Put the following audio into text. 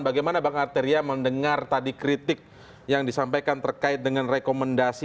bagaimana bang arteria mendengar tadi kritik yang disampaikan terkait dengan rekomendasi